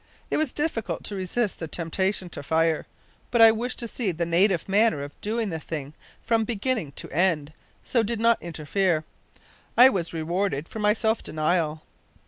It was difficult to resist the temptation to fire, but I wished to see the native manner of doing the thing from beginning to end, so did not interfere. I was rewarded for my self denial.